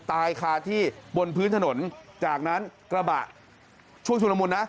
ตายคาที่บนพื้นถนนจากนั้นกระบะช่วงชุลมุนนะ